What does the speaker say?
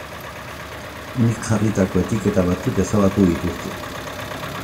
Nik jarritako etiketa batzuk ezabatu dituzte.